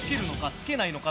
付けないのか？